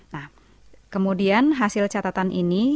nah kemudian hasil catatan ini